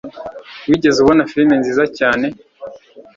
Wigeze ubona firime nziza cyane?